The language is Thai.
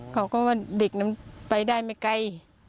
เขาก็ว่าเด็กนั้นไปได้ไม่ไกล